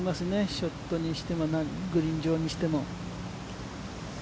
ショットにしても、グリーン上にしても。